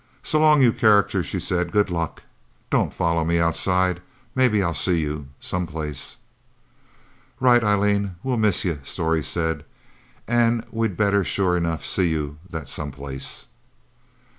"So long, you characters," she said. "Good luck. Don't follow me outside. Maybe I'll see you, someplace." "Right, Eileen we'll miss yuh," Storey said. "And we better sure enough see you that someplace!"